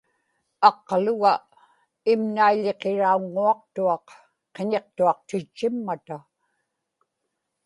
aqqaluga imnaiḷiqirauŋŋuaqtuaq qiñiqtuaqtitchimmata